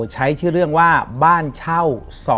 ใช้ชื่อเรื่องว่าบ้านเช่า๒